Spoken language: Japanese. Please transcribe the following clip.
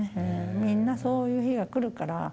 みんなそういう日が来るから。